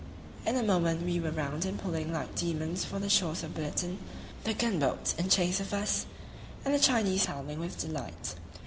In a moment we were round and pulling like demons for the shores of Biliton, the gun boats in chase of us, and the Chinese howling with delight.